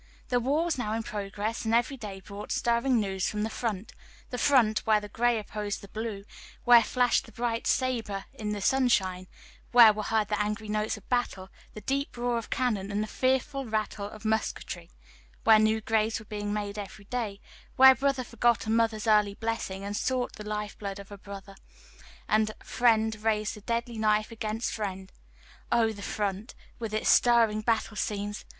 The war was now in progress, and every day brought stirring news from the front the front, where the Gray opposed the Blue, where flashed the bright sabre in the sunshine, where were heard the angry notes of battle, the deep roar of cannon, and the fearful rattle of musketry; where new graves were being made every day, where brother forgot a mother's early blessing and sought the lifeblood of brother, and friend raised the deadly knife against friend. Oh, the front, with its stirring battle scenes!